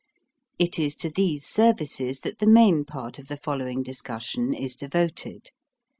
It is to these services that the main part of the following discussion is devoted.